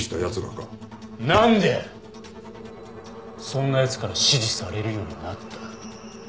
なんでそんな奴から指示されるようになった？